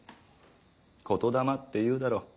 言霊って言うだろう。